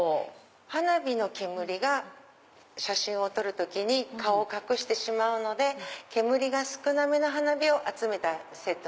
花火の煙が写真を撮る時に顔を隠してしまうので煙が少なめの花火を集めたセット。